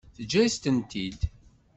Teǧǧa-yas-tent-id.